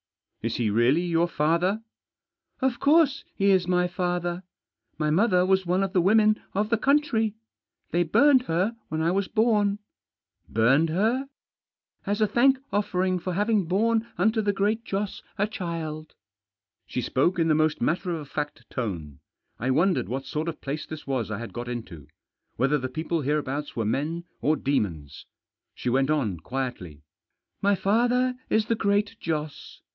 " Is he really your father ?" "Of course he is my father. My mother was one of the women of the country. They burned her when I was born." " Burned her ?" "As a thank offering for having borne unto the Great Joss a child." Digitized by THE OFFERINGS OF THE FAITHFUL. 255 She spoke in the most matter of fact tone. I wondered what sort of place this was I had got into, whether the people hereabouts were men or demons. She went on quietly. "My father is the Great Joss.